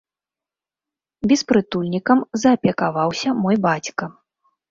Беспрытульнікам заапекаваўся мой бацька.